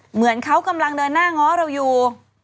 เหมือนเขากำลังเดินหน้าง้อเราอยู่